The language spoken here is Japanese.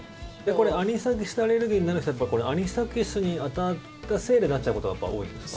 アニサキスアレルギーになる人ってアニサキスにあたったせいでなっちゃうことが多いんですか？